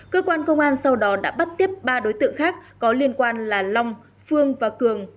cơ quan công an sau đó đã bắt tiếp ba đối tượng khác có liên quan là long phương và cường